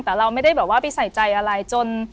แต่เราไม่ได้แบบว่าไปใส่ใจอะไรจน